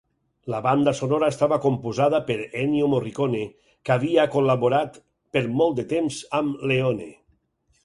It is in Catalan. La banda sonora estava composada per Ennio Morricone, que havia col·laborat per molt de temps amb Leone.